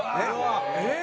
えっ？